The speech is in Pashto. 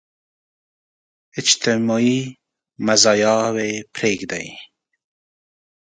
اجتماعي مزاياوې پرېږدي.